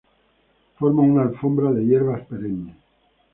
Forma una alfombra de hierbas perennes.